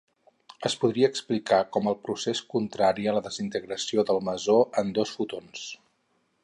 Es podria explicar com el procés contrari a la desintegració del mesó en dos fotons.